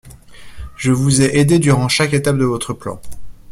Je vous ai aidés durant chaque étape de votre plan.